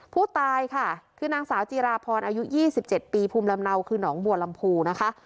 ผู้ตายค่ะคือนางสาวจีราพรอายุ๒๗ปีภูมิลำเนาคือหนองบัวลำพูนะคะ